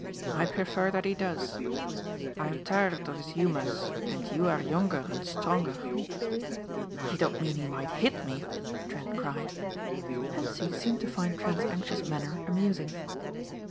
I prefer that he does. I am tired of his humours and you are younger and stronger." "You don't mean he might hit me?" Trent cried. Hentzi seemed to find Trent's anxious manner amusing.